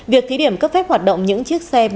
việc thí điểm cấp phép hoạt động những chiếc xe